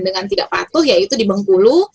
dengan tidak patuh yaitu di bengkulu